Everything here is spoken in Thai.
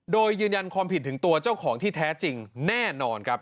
โดยยืนยันความผิดถึงตัวเจ้าของที่แท้จริงแน่นอนครับ